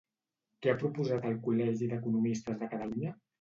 Què ha proposat el Col·legi d'Economistes de Catalunya?